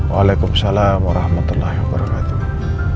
waalaikumsalam warahmatullahi wabarakatuh